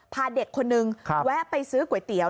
พาเด็กคนนึงแวะไปซื้อก๋วยเตี๋ยว